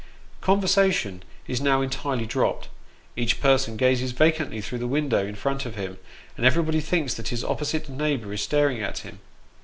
Conversation is now entirely dropped ; each person gazes vacantly through the window in front of him, and everybody thinks that his opposite neighbour is staring at him.